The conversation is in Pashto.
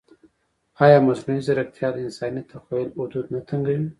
ایا مصنوعي ځیرکتیا د انساني تخیل حدود نه تنګوي؟